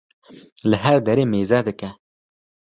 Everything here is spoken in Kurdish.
li her dere mêze dike.